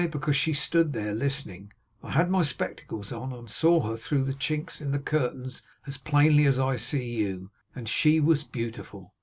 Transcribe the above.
Because she stood there, listening. I had my spectacles on, and saw her through the chinks in the curtains as plainly as I see you; and she was beautiful.